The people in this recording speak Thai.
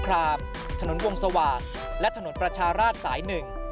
ถนนวงสว่างและถนนประชาราชสายหนึ่ง